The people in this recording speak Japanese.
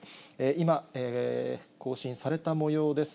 今、更新されたもようです。